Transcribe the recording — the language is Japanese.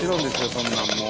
そんなんもう。